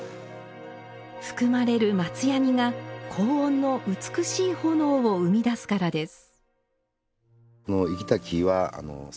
含まれる松やにが、高温の美しい炎を生み出すからです。